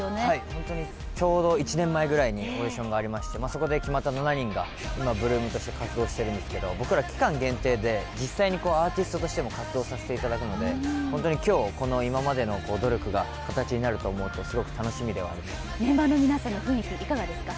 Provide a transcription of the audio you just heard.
本当に、ちょうど１年ぐらい前にオーディションがありましてそこで決まった７人が今、８ＬＯＯＭとして活動しているんですけれども、僕ら期間限定で実際にアーティストとしても活動させてもらうので本当に今日、今までの努力が形になると思うとメンバーの皆さんの雰囲気、いかがですか。